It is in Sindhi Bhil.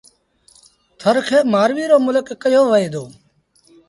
ٿر کي مآرويٚ رو ملڪ ڪهيو وهي دو۔